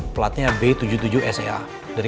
platnya b tujuh puluh tujuh sa dari